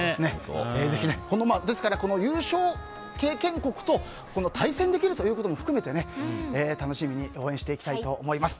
ですから、この優勝経験国と対戦できるということも含めて楽しみに応援していきたいと思います。